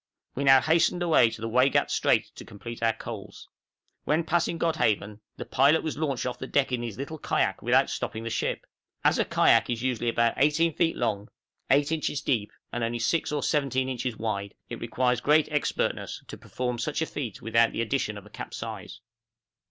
We now hastened away to the Waigat Strait to complete our coals. When passing Godhaven, the pilot was launched off our deck in his little kayak without stopping the ship! As a kayak is usually about 18 feet long, 8 inches deep, and only 16 or 17 inches wide, it requires great expertness to perform such a feat without the addition of a capsize.